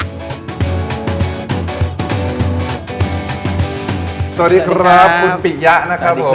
สวัสดีครับคุณปิยะนะครับผม